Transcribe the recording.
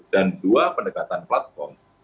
dan dua pendekatan platform